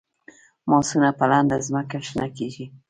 ماسونه په لنده ځمکه شنه کیږي